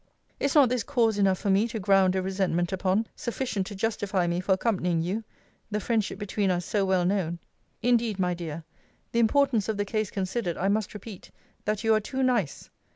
Is not this cause enough for me to ground a resentment upon, sufficient to justify me for accompanying you; the friendship between us so well known? Indeed, my dear, the importance of the case considered, I must repeat, that you are too nice.